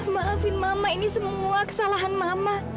maafin mama ini semua kesalahan mama